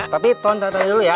tapi toh ntar dulu ya